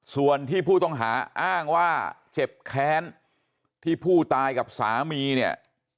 ส่วนที่ผู้ต้องหาอ้างว่าเจ็บแค้นที่ผู้ตายกับสามีเนี่ย